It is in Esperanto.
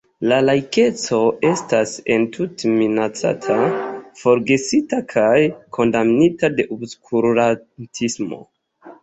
La laikeco estas entute minacata, forgesita kaj kondamnita de obskurantismo.